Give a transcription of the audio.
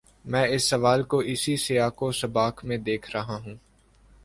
میں اس سوال کو اسی سیاق و سباق میں دیکھ رہا ہوں۔